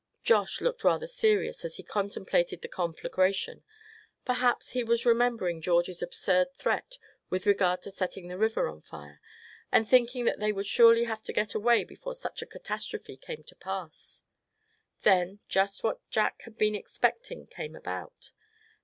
Josh looked rather serious as he contemplated the conflagration; perhaps he was remembering George's absurd threat with regard to setting the river on fire; and thinking that they would surely have to get away before such a catastrophe came to pass. Then, just what Jack had been expecting came about.